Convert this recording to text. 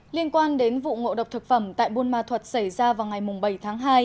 liên quan đến vụ ngộ độc thực phẩm tại buôn ma thuật xảy ra vào ngày bảy tháng hai